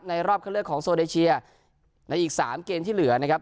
รอบเข้าเลือกของโซเดเชียในอีก๓เกมที่เหลือนะครับ